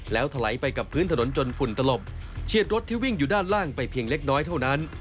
แล้วถลายไปกับพื้นถนนจนฝุ่นตลบเชียดรถที่วิ่งอยู่ด้านล่างไปเพียงเล็กน้อยเท่านั้น